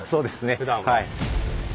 ふだんは。